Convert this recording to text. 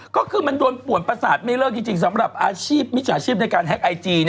ก็คือมันโดนป่วนประสาทไม่เลิกจริงสำหรับอาชีพมิจฉาชีพในการแฮ็กไอจี